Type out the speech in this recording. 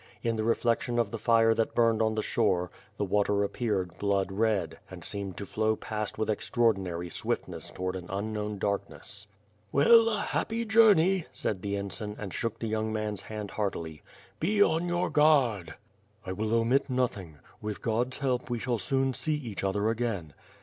In the reflection of the fire that burned on the shore, the water appeared blood red, and seemed to flow past with ex traordinary swiftness towards an unknown darkness. "Well, a happy journey!". said the ensign and shook the young man's hand heartily. "De on your guard!" "1 will omit nothing. With God's help, we shall soon see each other again."